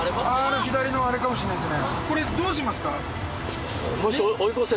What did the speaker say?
左のあれかもしれないですね。